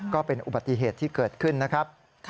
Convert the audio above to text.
ก็เป็นอุบัติเหตุที่เกิดขึ้นนะครับ